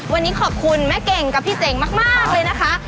วันนี้ขอบคุณแม่เก่งกับพี่เจ๋งมากเลยนะคะ